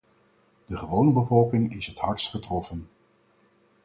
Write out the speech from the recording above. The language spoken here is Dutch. De gewone bevolking is het hardst getroffen.